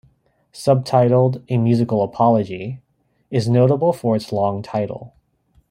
Subtitled: A Musical Apology is notable for its long title.